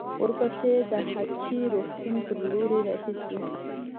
ورپسې د هه چه روغتون پر لور رهي شوو.